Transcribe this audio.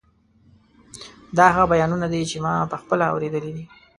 دا هغه بیانونه دي چې ما پخپله اورېدلي دي.